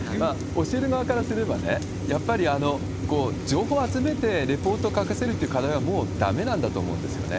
教える側からすればね、やっぱり情報を集めてレポートを書かせるっていう課題はもうだめなんだと思うんですよね。